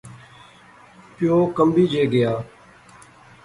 پیو کنبی جے گیا